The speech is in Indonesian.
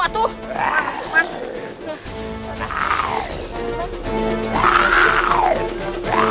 ampura aku tak mau menyakiti kamu